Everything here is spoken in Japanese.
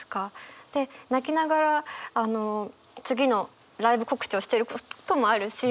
で泣きながら次のライブ告知をしてることもあるし。